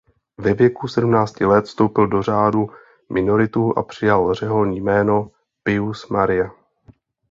Ve věku sedmnácti let vstoupil do řádu minoritů a přijal řeholní jméno "Pius Maria".